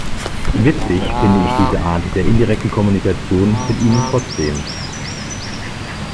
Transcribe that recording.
Witzig finde ich diese Art der indirekten Kommunikation mit Ihnen trotzdem!